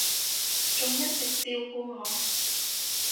仲一直照顧我